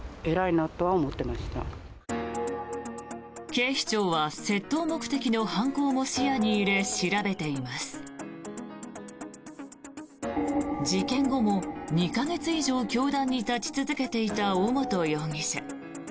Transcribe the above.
警視庁は窃盗目的の犯行も視野に入れ調べています。事件後も２か月以上教壇に立ち続けていた尾本容疑者。